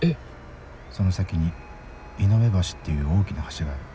その先に美濃部橋っていう大きな橋がある。